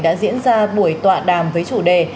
đã diễn ra buổi tọa đàm với chủ đề